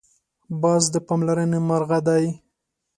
باز د پاملرنې مرغه دی